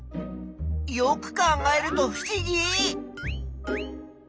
よく考えるとふしぎ！